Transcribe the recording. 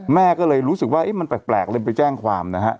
แม่ก็เลยรู้สึกว่ามันแปลกเลยไปแจ้งความนะฮะ